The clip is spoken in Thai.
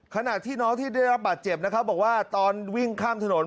ขณะที่น้องที่ได้รับบาดเจ็บนะครับบอกว่าตอนวิ่งข้ามถนน